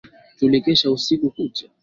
Tulikesha usiku kucha